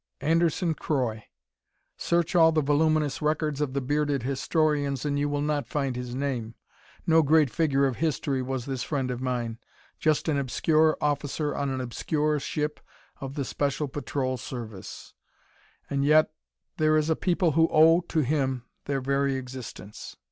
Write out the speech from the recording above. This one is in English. Anderson Croy. Search all the voluminous records of the bearded historians, and you will not find his name. No great figure of history was this friend of mine; just an obscure officer on an obscure ship of the Special Patrol Service. And yet there is a people who owe to him their very existence.